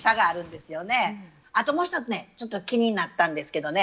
あともう一つねちょっと気になったんですけどね